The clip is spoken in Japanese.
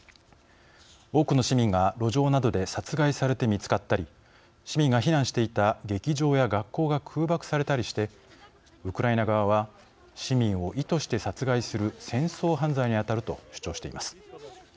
多くの市民が路上などで殺害されて見つかったり市民が避難していた劇場や学校が空爆されたりしてウクライナ側は、市民を意図して殺害する戦争犯罪にあたると主張しています。